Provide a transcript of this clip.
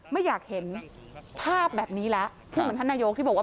ไม่อยากเห็นภาพแบบนี้แล้วพูดเหมือนท่านนายกที่บอกว่า